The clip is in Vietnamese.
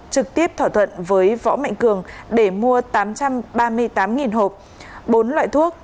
trực tiếp thỏa thuận với võ mạnh cường để mua tám trăm ba mươi tám hộp bốn loại thuốc